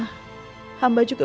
terima kasih bu